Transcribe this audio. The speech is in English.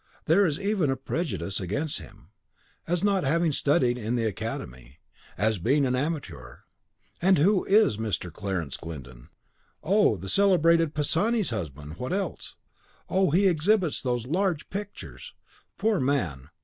There is even a prejudice against him, as not having studied in the Academy, as being an amateur. Who is Mr. Clarence Glyndon? Oh, the celebrated Pisani's husband! What else? Oh, he exhibits those large pictures! Poor man!